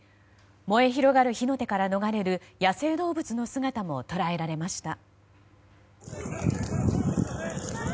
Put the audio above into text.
燃え広がる火の手から逃れる野生動物の姿も捉えられました。